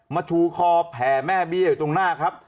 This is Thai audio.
ชูคอแผ่แม่เบี้ยอยู่ตรงหน้าครับ